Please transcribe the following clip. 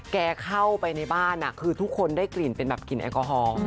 แกเข้าไปในบ้านคือทุกคนได้กลิ่นเป็นแบบกลิ่นแอลกอฮอล์